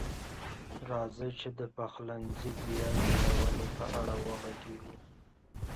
راځئ چې د پخلنځي بیا جوړونې په اړه وغږیږو.